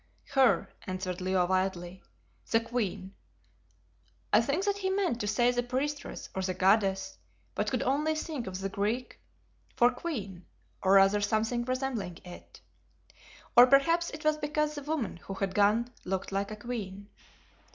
"Her," answered Leo wildly, "the Queen." I think that he meant to say the priestess, or the goddess, but could only think of the Greek for Queen, or rather something resembling it. Or perhaps it was because the woman who had gone looked like a queen.